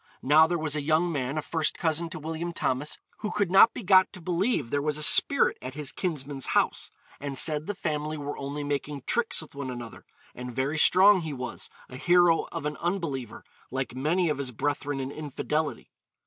Now there was a young man, a first cousin to William Thomas, who could not be got to believe there was a spirit at his kinsman's house, and said the family were only making tricks with one another, 'and very strong he was, a hero of an unbeliever, like many of his brethren in infidelity.'